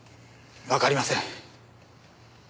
わかりません。